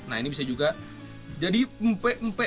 nah ini bisa juga jadi empe empe